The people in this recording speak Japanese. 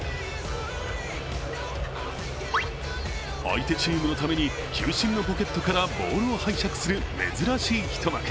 相手チームのために、球審のポケットからボールを拝借する珍しい一幕。